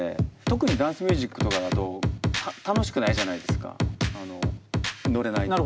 特にダンスミュージックとかだと楽しくないじゃないですかのれないと。